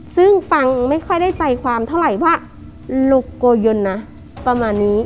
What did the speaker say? ซึ่งฟังไม่ค่อยได้ใจความเท่าไหร่ว่าลูกโกยนนะประมาณนี้